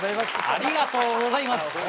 ありがとうございます。